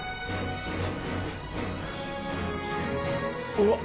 うわっ！